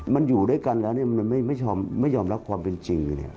มันอยู่ด้วยกันแล้วมันไม่ยอมรับความเป็นจริง